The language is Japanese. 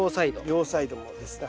両サイドもですね。